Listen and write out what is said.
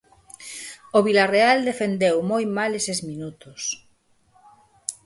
O Vilarreal defendeu moi mal eses minutos.